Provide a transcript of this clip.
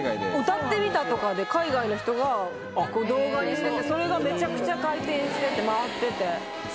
「歌ってみた」とかで海外の人が動画にしててそれがめちゃくちゃ回転してて回ってて。